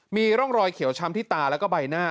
มีร่องรอยเขียวช้ำที่ตาแล้วก็ใบหน้า